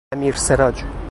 امیرسِراج